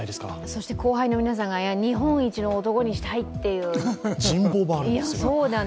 そして後輩の皆さんが日本一の男にしたいっていう。